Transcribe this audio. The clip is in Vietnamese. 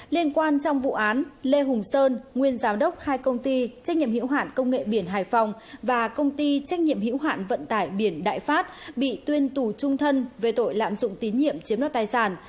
liên quan trong vụ án lê hùng sơn nguyên giám đốc hai công ty trách nhiệm hiệu hoạn công nghệ biển hải phòng và công ty trách nhiệm hữu hạn vận tải biển đại phát bị tuyên tù trung thân về tội lạm dụng tín nhiệm chiếm đoạt tài sản